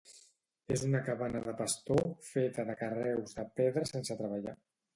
És una cabana de pastor feta de carreus de pedra sense treballar.